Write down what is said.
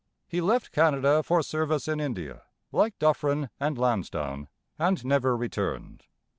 He left Canada for service in India, like Dufferin and Lansdowne, and never returned.